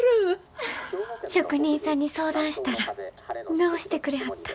職人さんに相談したら直してくれはった。